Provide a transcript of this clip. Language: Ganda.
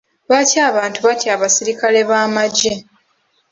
Lwaki abantu batya abasirikale b'amagye?